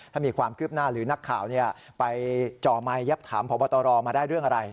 ถ้ามีความคืบหน้าหรือนักข่าวไปจ่อไมค์แยบถามพบตรมาได้เรื่องอะไร